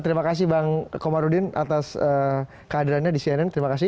terima kasih bang komarudin atas kehadirannya di cnn